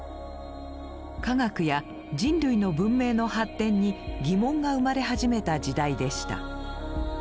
科学や人類の文明の発展に疑問が生まれ始めた時代でした。